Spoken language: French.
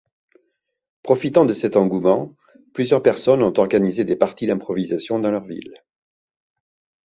Profitant de cet engouement, plusieurs personnes ont organisé des parties d'improvisation dans leur ville.